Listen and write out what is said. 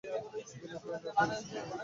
বিনয় কহিল, আপনি ব্যস্ত হচ্ছেন কেন?